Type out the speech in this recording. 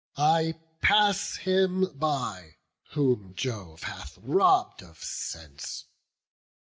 I pass him by, whom Jove hath robb'd of sense.